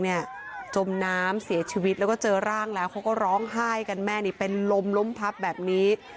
จมน้ำเสียชีวิตแล้วก็เจอร่างแล้วเขาก็ร้องไห้กันแม่นี่เป็นลมล้มพับแบบนี้